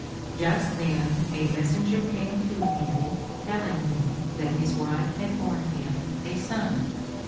Just then a messenger came to him telling him that his wife had borne him a son.